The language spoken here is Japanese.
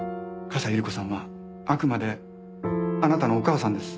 葛西百合子さんはあくまであなたのお母さんです。